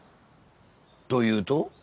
というと？